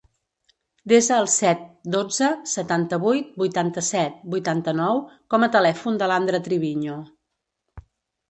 Desa el set, dotze, setanta-vuit, vuitanta-set, vuitanta-nou com a telèfon de l'Andra Triviño.